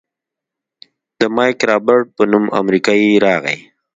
د مايک رابرټ په نوم امريکايي راغى.